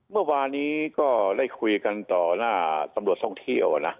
เมื่อวานี้ก็ได้คุยกันต่อหน้าตำรวจท่องเที่ยวนะ